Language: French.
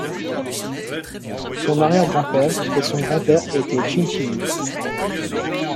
Son arrière-grand-père et son grand-père était Jinshi.